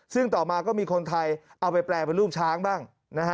ซึ่งต่อมาก็มีคนไทยเอาไปแปลเป็นลูกช้างบ้างนะฮะ